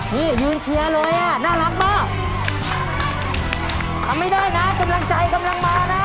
นี่ยืนเชียร์เลยอ่ะน่ารักมากทำไม่ได้นะกำลังใจกำลังมานะ